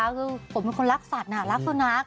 คือผมเป็นคนรักสัตว์รักสุนัข